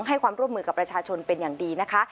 ให้ความร่วมมือกับประชาชนเป็นอย่างดีนะคะ